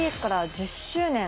１０周年！